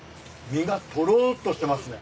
身がとろっとしてますね。